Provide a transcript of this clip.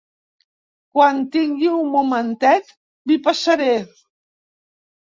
Quan tingui un momentet m'hi passaré.